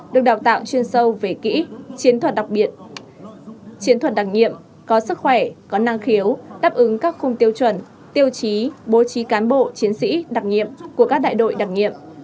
được đào tạo chuyên sâu về kỹ chiến thuật đặc biệt chiến thuật đặc nhiệm có sức khỏe có năng khiếu đáp ứng các khung tiêu chuẩn tiêu chí bố trí cán bộ chiến sĩ đặc nhiệm của các đại đội đặc nhiệm